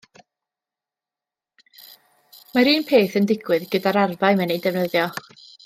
Mae'r un peth yn digwydd gyda'r arfau mae'n eu defnyddio.